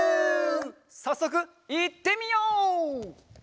さっそくいってみよう！